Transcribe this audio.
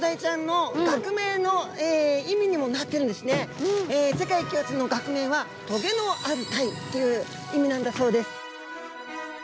実は世界共通の学名は「棘のあるタイ」という意味なんだそうです。